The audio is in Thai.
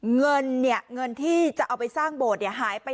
เงินเนี่ยเงินที่จะเอาไปสร้างโบสถ์เนี่ยหายไป